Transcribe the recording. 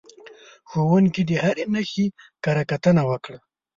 ښوونکي د هرې نښې کره کتنه وکړه.